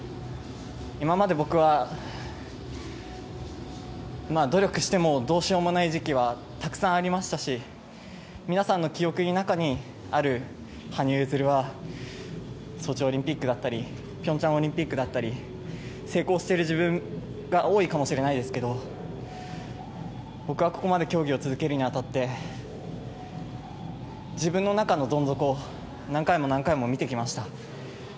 今まで僕は、努力してもどうしようもない時期はたくさんありましたし皆さんの記憶の中にある羽生結弦はソチオリンピックだったりピョンチャンオリンピックだったり成功している自分が多いかもしれないですけど僕はここまで競技を続けるにあたって自分の中のどん底を何回も、何回も見てきました。